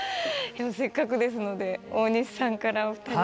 せっかくですので大西さんからお二人に。